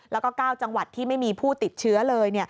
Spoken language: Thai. แล้วก็๙จังหวัดที่ไม่มีผู้ติดเชื้อเลย